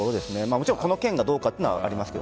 もちろんこの件がどうかというのはありますが。